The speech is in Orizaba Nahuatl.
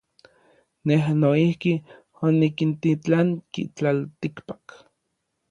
Nej noijki onikintitlanki tlaltikpak.